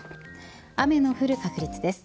雨の降る確率です。